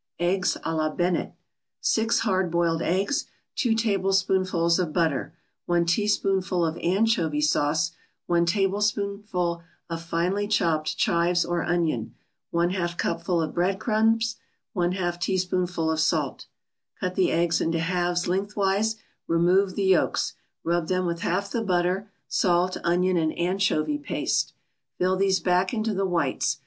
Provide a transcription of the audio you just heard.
EGGS A LA BENNETT 6 hard boiled eggs 2 tablespoonfuls of butter 1 teaspoonful of anchovy sauce 1 tablespoonful of finely chopped chives or onion 1/2 cupful of bread crumbs 1/2 teaspoonful of salt Cut the eggs into halves lengthwise; remove the yolks, rub them with half the butter, salt, onion and anchovy paste. Fill these back into the whites.